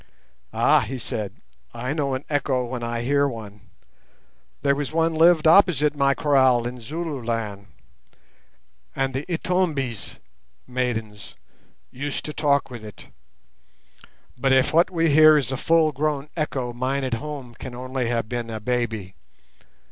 "Ah," he said, "I know an echo when I hear one. There was one lived opposite my kraal in Zululand, and the Intombis [maidens] used to talk with it. But if what we hear is a full grown echo, mine at home can only have been a baby.